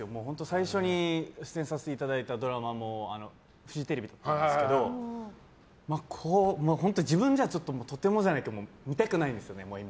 最初に出演させていただいたドラマもフジテレビだったんですけど本当に自分じゃとてもじゃないですけど見たくないですよね。